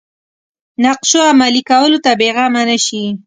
نقشو عملي کولو ته بېغمه نه شي.